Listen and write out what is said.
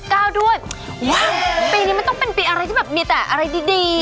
ปีนี้มันต้องเป็นปีอะไรที่แบบมีแต่อะไรดี